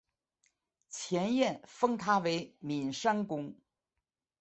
前燕封他为岷山公。